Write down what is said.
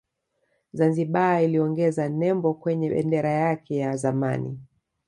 Zanzibar iliongeza nembo kwenye bendera yake ya zamani